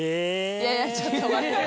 いやいやちょっと待って。